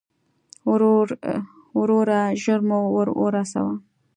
وروره، ژر مو ور ورسوه.